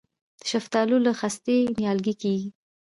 د شفتالو له خستې نیالګی کیږي؟